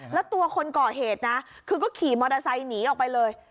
แล้วตัวคนก่อเหตุนะคือก็ขี่มอเตอร์ไซค์หนีออกไปเลย